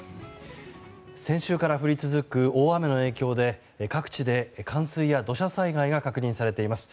先週から降り続く大雨の影響で各地で冠水や土砂災害が確認されています。